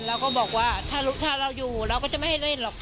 เราก็บอกว่าถ้าเราอยู่เราก็จะไม่ให้เล่นหรอก